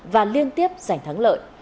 và liên tiếp giành thắng lợi